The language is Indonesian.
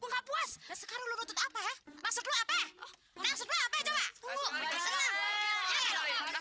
enggak puas sekarang lu apa maksud lu apa